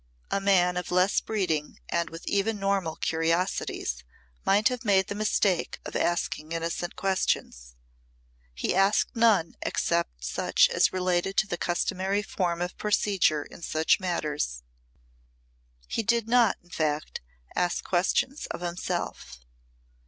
A man of less breeding and with even normal curiosities might have made the mistake of asking innocent questions. He asked none except such as related to the customary form of procedure in such matters. He did not, in fact, ask questions of himself.